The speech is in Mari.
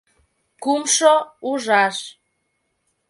Кумшо ужаш